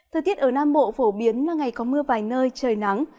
thời tiết ở nam bộ phổ biến là ngày có mưa vài nơi trời nắng